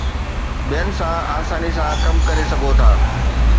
ٻين سان آساني سان ڪم ڪري سگهو ٿا